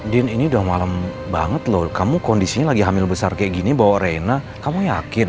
din ini udah malam banget loh kamu kondisinya lagi hamil besar kayak gini bawa reina kamu yakin